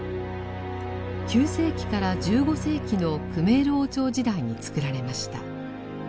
９世紀から１５世紀のクメール王朝時代に造られました。